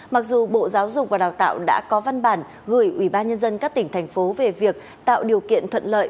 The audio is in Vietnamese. mặc dù bộ giáo dục và đào tạo đã có văn bản gửi ủy ban nhân dân các tỉnh thành phố về việc tạo điều kiện thuận lợi